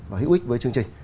và hữu ích với chương trình